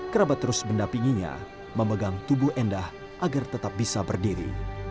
kerabat terus mendampinginya memegang tubuh endah agar tetap bisa berdiri